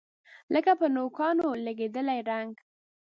لکه په نوکانو لګیدلی رنګ